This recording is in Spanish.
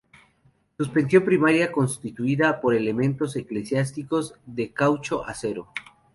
Suspensión primaria constituida por elementos elásticos de caucho-acero.